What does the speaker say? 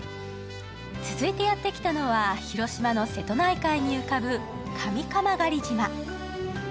続いてやって来たのは、広島の瀬戸内海に浮かぶ上蒲刈島。